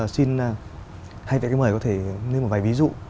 xin hãy để cái mời có thể lên một vài ví dụ